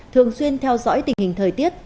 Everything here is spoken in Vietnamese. thường xuyên theo dõi tình hình thời tiết